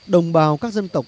đồng bào các dân tộc